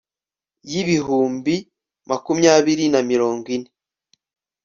y' ibihumbi makumyabiri na mirongo ine